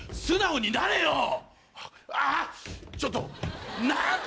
素直になれよ！